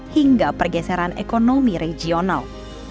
hingga pergeseran ekonomi regional